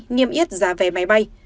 nghiêm yết giá vé máy bay